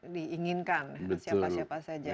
diinginkan siapa siapa saja